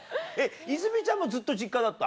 泉ちゃんもずっと実家だった？